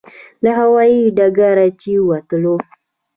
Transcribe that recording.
له هوایي ډګره چې ووتلو.